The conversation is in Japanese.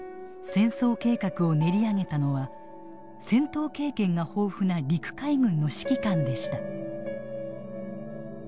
戦争計画を練り上げたのは戦闘経験が豊富な陸海軍の指揮官でした。